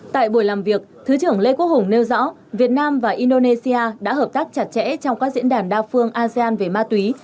tại buổi làm việc thứ trưởng lê quốc hùng nêu rõ việt nam và indonesia đã hợp tác chặt chẽ trong các diễn đàn đa phương asean về ma túy